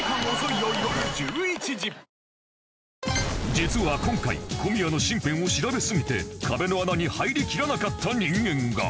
実は今回小宮の身辺を調べすぎて壁の穴に入りきらなかった人間が